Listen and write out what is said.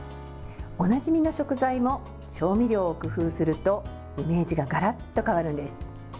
おなじみの食材も調味料を工夫するとイメージがガラッと変わるんです。